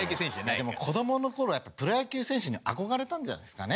でも子どもの頃やっぱプロ野球選手に憧れたんじゃないですかね。